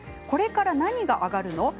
これから何が上がるの？